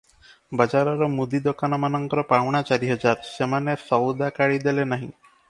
ବଜାରର ମୁଦି ଦୋକାନମାନଙ୍କର ପାଉଣା ଚାରିହଜାର, ସେମାନେ ସଉଦାକାଳି ଦେଲେ ନାହିଁ ।